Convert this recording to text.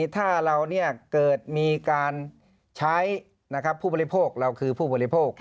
ถ้าเราเกิดมีการใช้ผู้บริโภคเราคือผู้บริโภค